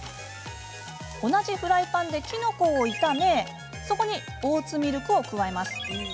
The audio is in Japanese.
同じフライパンできのこを炒めそこにオーツミルクを加えます。